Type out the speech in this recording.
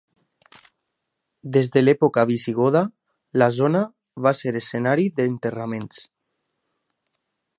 Des de l'època visigoda, la zona va ser escenari d'enterraments.